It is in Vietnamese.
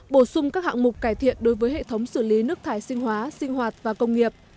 bổ sung các hạng mục cải thiện đối với hệ thống xử lý nước thải sinh hóa sinh hoạt và công nghiệp